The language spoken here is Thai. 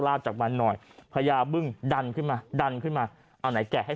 จากมันหน่อยพญาบึ้งดันขึ้นมาดันขึ้นมาเอาไหนแกะให้